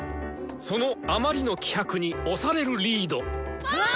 そのあまりの気迫に押されるリード。わ！